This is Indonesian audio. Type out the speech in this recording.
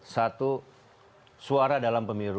suara dalam pemiru dua ribu empat belas